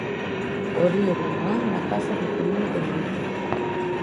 O Río Breogán na casa recibindo o Tenerife.